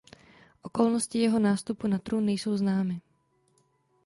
Okolnosti jeho nástupu na trůn nejsou známy.